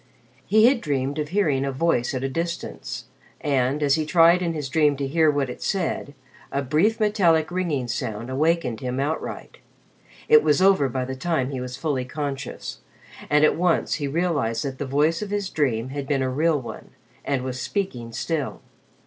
He had dreamed of hearing a voice at a distance, and, as he tried in his dream to hear what it said, a brief metallic ringing sound awakened him outright. It was over by the time he was fully conscious, and at once he realized that the voice of his dream had been a real one, and was speaking still.